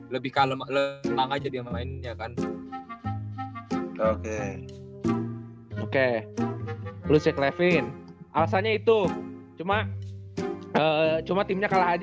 lebih kalau lele langsung aja dia mainnya kan oke oke lu seksual alasannya itu cuma cuma timnya kalah